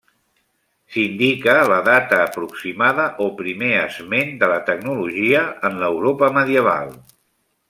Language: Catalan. S'indica la data aproximada o primer esment de la tecnologia en l'Europa medieval.